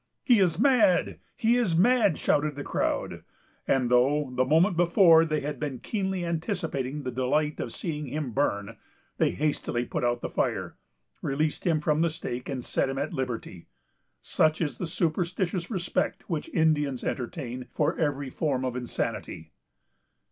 "He is mad! he is mad!" shouted the crowd; and though, the moment before, they had been keenly anticipating the delight of seeing him burn, they hastily put out the fire, released him from the stake, and set him at liberty. Such is the superstitious respect which the Indians entertain for every form of insanity.